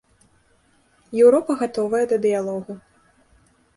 Еўропа гатовая да дыялогу.